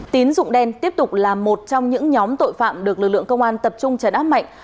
tín dụng đen tiếp tục là một trong những nhóm tội phạm được lực lượng công an tập trung chấn áp mạnh